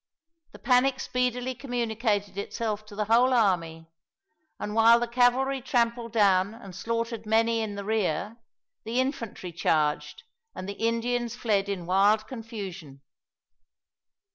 The panic speedily communicated itself to the whole army, and while the cavalry trampled down and slaughtered many in the rear, the infantry charged, and the Indians fled in wild confusion.